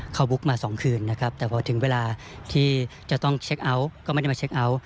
เขาบุ๊กมา๒คืนนะครับแต่พอถึงเวลาที่จะต้องเช็คเอาท์ก็ไม่ได้มาเช็คเอาท์